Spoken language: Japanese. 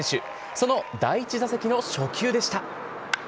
その第１打席の初球でした。